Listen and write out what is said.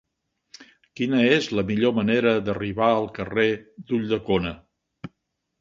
Quina és la millor manera d'arribar al carrer d'Ulldecona?